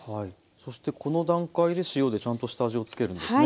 そしてこの段階で塩でちゃんと下味を付けるんですね。